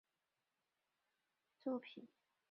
本作品是银魂首部电影化的作品。